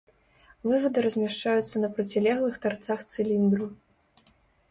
Вывады размяшчаюцца на процілеглых тарцах цыліндру.